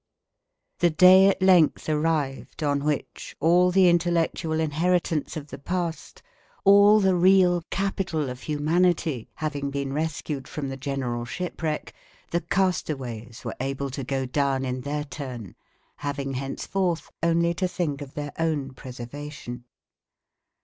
The day at length arrived on which, all the intellectual inheritance of the past, all the real capital of humanity having been rescued from the general shipwreck, the castaways were able to go down in their turn, having henceforth only to think of their own preservation.